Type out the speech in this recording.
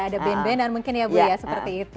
ada band bandan mungkin ya ibu ya seperti itu